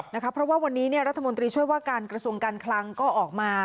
เพราะว่าวันนี้รัฐมนตรีช่วยว่าการกระทรวงการคลังก็ออกมา